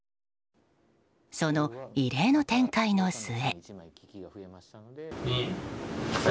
その異例の展開の末。